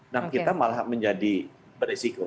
nah kita malah menjadi beresiko